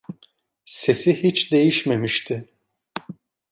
Sesi hiç değişmemişti.